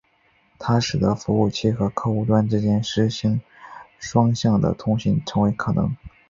它使得服务器和客户端之间实时双向的通信成为可能。